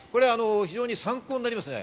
非常に参考になりますね。